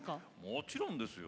もちろんですよ。